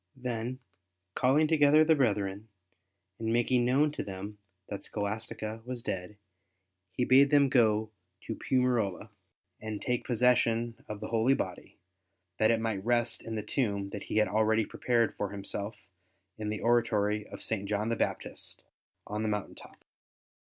Then, calling together the brethren, and making known to them that Scholastica was dead, he bade them go to Piumarola and take possession of the holy body, that it might rest in the tomb that he had already prepared for himself in the oratory of St. John the Baptist on the mountain top.